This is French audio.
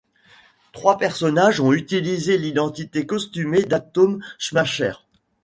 Trois personnages ont utilisé l'identité costumée d’Atom Smasher.